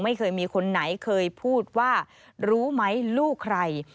ไม่เคยมีคนไหนเคยพูดว่ารู้ไหมลูกใคร